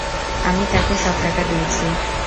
আমি তাকে সব টাকা দিয়েছি।